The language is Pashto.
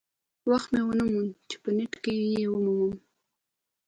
وخت مې ونه موند چې په نیټ کې یې ومومم.